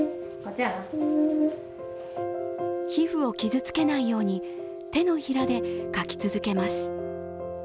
皮膚を傷つけないように手のひらでかき続けます。